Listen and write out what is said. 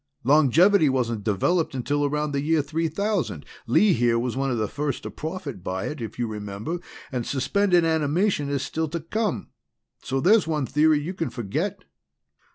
Longevity wasn't developed until around the year 3000 Lee here was one of the first to profit by it, if you remember and suspended animation is still to come. So there's one theory you can forget."